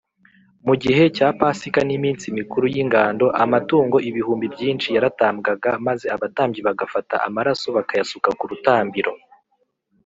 mu gihe cya pasika n’iminsi mikuru y’ingando, amatungo ibihumbi byinshi yaratambwaga maze abatambyi bagafata amaraso bakayasuka ku rutambiro